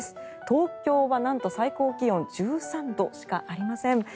東京はなんと最高気温１３度しかありません。